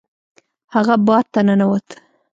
هغه بار ته ننوت.